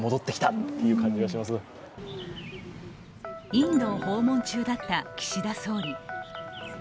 インドを訪問中だった岸田総理。